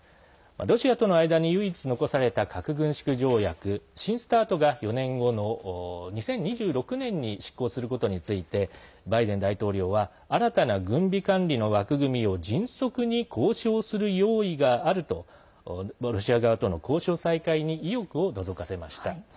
ロシアとの間に唯一残された核軍縮条約、新ＳＴＡＲＴが４年後の２０２６年に失効することについてバイデン大統領は新たな軍備管理の枠組みを迅速に交渉する用意があるとロシア側との交渉再開に意欲をのぞかせました。